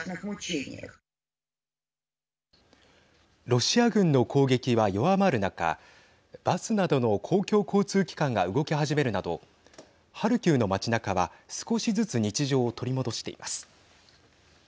ロシア軍の攻撃は弱まる中バスなどの公共交通機関が動き始めるなどハルキウの街なかは少しずつ日常を取り戻しています。